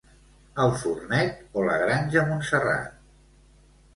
El Fornet o la Granja Montserrat?